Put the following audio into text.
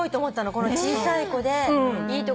この小さい子でいい所。